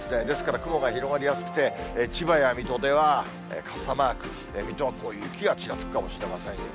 ですから、雲が広がりやすくて、千葉や水戸では傘マーク、水戸は雪がちらつくかもしれません。